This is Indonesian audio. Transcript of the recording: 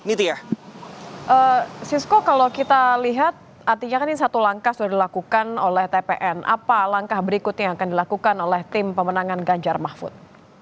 sisko kalau kita lihat artinya kan ini satu langkah sudah dilakukan oleh tpn apa langkah berikutnya yang akan dilakukan oleh tim pemenangan ganjar mahfud